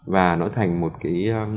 và nó thành một cái